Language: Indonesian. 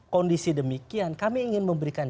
kondisi demikian kami ingin memberikan